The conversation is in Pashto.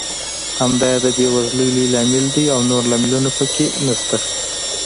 همدا یې د بېوزلۍ لوی لامل دی او نور لاملونه پکې نشته.